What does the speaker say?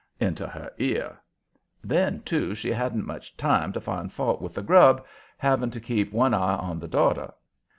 into her ear? Then, too, she hadn't much time to find fault with the grub, having to keep one eye on the daughter.